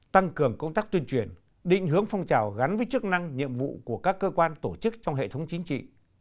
tăng cường công tác tuyên truyền định hướng phong trào gắn với chức năng nhiệm vụ của các cơ quan tổ chức trong hệ thống chính trị